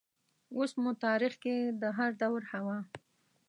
اوس مو تاریخ کې د هردور حوا